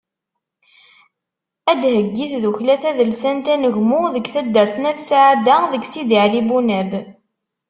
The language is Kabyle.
Ad d-theyyi tdukkla tadelsant “Anegmu” n taddart At Sɛada deg Sidi Ɛli Bunab.